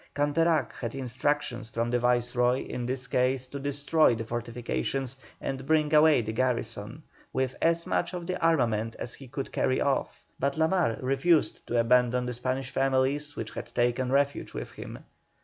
Canterac had instructions from the Viceroy in this case to destroy the fortifications and bring away the garrison, with as much of the armament as he could carry off, but La Mar refused to abandon the Spanish families which had taken refuge with him.